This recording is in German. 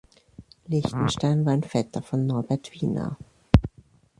Lichtenstein war ein Vetter von Norbert Wiener.